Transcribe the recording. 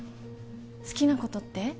好きなことって？